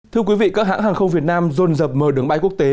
thưa quý vị các hãng hàng không việt nam dồn dập mở đường bay quốc tế